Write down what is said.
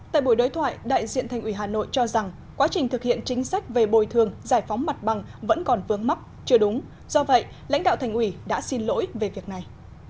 tại buổi đối thoại đại diện thành ủy hà nội cho rằng quá trình thực hiện chính sách về bồi thường giải phóng mặt bằng vẫn còn vướng mắc chưa đúng do vậy lãnh đạo thành ủy đã xin lỗi về việc này